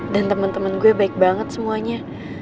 dan temen temen gue baik banget semuanya